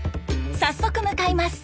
早速向かいます。